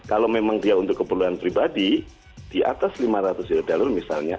kalau memang dia untuk keperluan pribadi di atas lima ratus usd misalnya